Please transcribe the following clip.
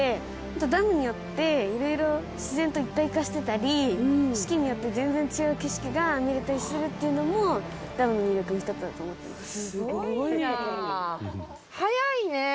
あとダムによって色々自然と一体化してたり四季によって全然違う景色が見れたりするっていうのもダムの魅力の一つだと思っています。